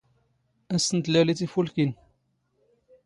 ⴰⵙⵙ ⵏ ⵜⵍⴰⵍⵉⵜ ⵉⴼⵓⵍⴽⵉⵏ!